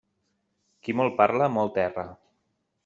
Qui molt parla, molt erra.